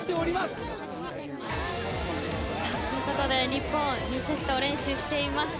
日本、２セット連取しています。